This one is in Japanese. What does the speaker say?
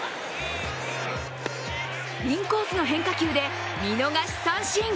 インコースの変化球で見逃し三振。